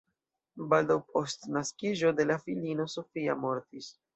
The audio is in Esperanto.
Baldaŭ post naskiĝo de la filino "Sofia" mortis.